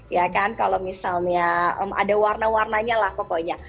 ya kan kalau misalnya ada warna warnanya lah pokoknya